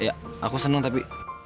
ya aku senang tapi